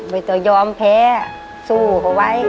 ไม่ต้องยอมแพ้สู้เขาไว้